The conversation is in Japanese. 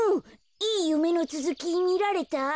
いいゆめのつづきみられた？